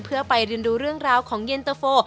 เพื่อไปเรียนดูเรื่องราวของเย็นตะโฟ